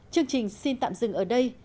chương trình xin tạm dừng ở đây